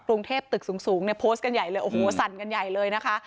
กรุงเทพตึกสูงเนี่ยโพสต์กันใหญ่เลยโอ้โหสั่นกันใหญ่เลยนะคะ